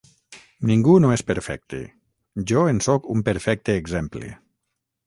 Ningú no és perfecte; jo en sóc un perfecte exemple.